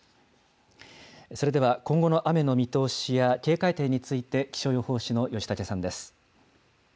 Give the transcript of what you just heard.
それでは今後の雨の見通しや警戒点について、気象予報士の吉竹さんです。